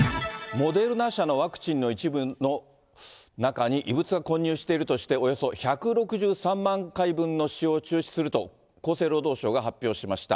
モデルナ社のワクチンの一部の中に、異物が混入しているとして、およそ１６３万回分の使用を中止すると、厚生労働省が発表しました。